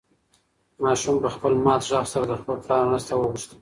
ماشوم په خپل مات غږ سره د خپل پلار مرسته وغوښته.